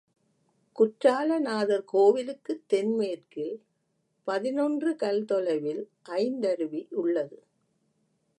குற்றால நாதர் கோவிலுக்குத் தென் மேற்கில் பதினொன்று கல் தொலைவில் ஐந்தருவி உள்ளது.